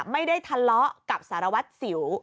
ไม่ได้ทะเลาะกับสารวัตรสิว